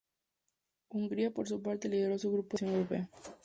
Hungría, por su parte, lideró su grupo en la eliminatoria europea.